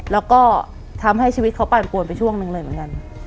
แล้วก็ทำให้ชีวิตเขาปั่นปวนไปช่วงหนึ่งเลยเหมือนกัน